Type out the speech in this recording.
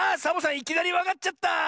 いきなりわかっちゃった！